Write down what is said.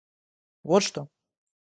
Вот что!